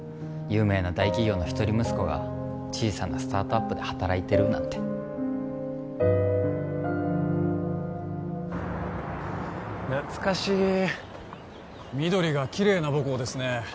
有名な大企業の一人息子が小さなスタートアップで働いてるなんて懐かしい緑がきれいな母校ですね